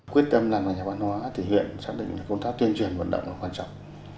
quyết tâm là nhà văn hóa thì hiện xác định công tác tuyên truyền vận động là quan trọng